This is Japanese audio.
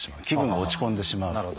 気分が落ち込んでしまう。